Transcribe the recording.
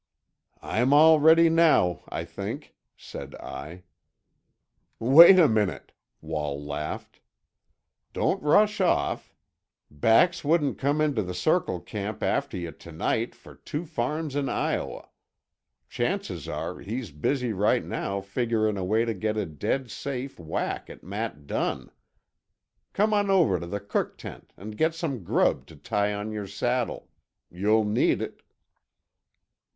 "I'm all ready now, I think," said I. "Wait a minute," Wall laughed. "Don't rush off. Bax wouldn't come into the Circle camp after yuh to night for two farms in Iowa. Chances are he's busy right now figuring a way to get a dead safe whack at Matt Dunn. Come on over to the cook tent and get some grub to tie on your saddle. You'll need it."